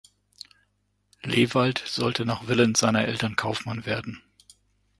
Lewald sollte nach Willen seiner Eltern Kaufmann werden.